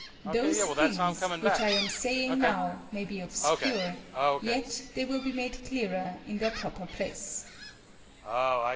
Those things which I am saying now may be obscure, yet they will be made clearer in their proper place.